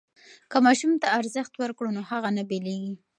که ماشوم ته ارزښت ورکړو نو هغه نه بېلېږي.